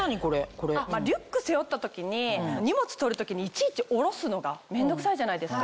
リュック背負った時に荷物取る時にいちいち下ろすのが面倒くさいじゃないですか。